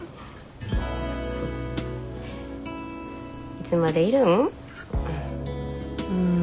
いつまでいるん？